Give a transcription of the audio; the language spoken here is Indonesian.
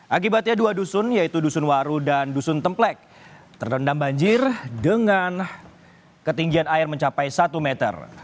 akibatnya dua dusun yaitu dusun waru dan dusun templek terendam banjir dengan ketinggian air mencapai satu meter